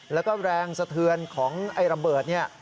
แล้วก็แรงสะเทือนของไอ้ระเบิดเนี่ย